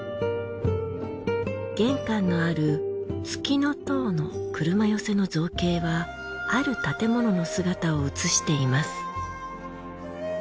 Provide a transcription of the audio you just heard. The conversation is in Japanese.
玄関のある月の棟の車寄せの造形はある建物の姿を写しています。